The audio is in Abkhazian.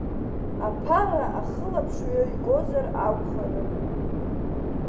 Аԥара ахылаԥшҩы игозар акәхарын.